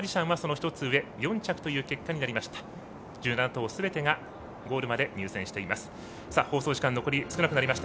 １７頭すべてがゴールまで入線しています。